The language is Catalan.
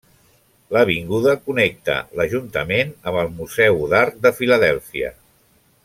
L'avinguda connecta l'ajuntament amb el Museu d'Art de Filadèlfia.